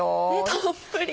たっぷり！